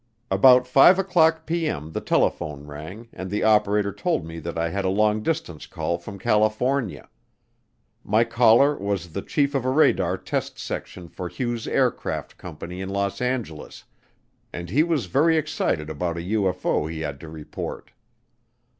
About 5:00P.M. the telephone rang and the operator told me that I had a long distance call from California. My caller was the chief of a radar test section for Hughes Aircraft Company in Los Angeles, and he was very excited about a UFO he had to report.